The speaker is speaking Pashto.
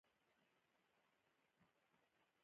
ستونزه ټوله په علي کې ده، ځان یې هم غلی نیولی دی.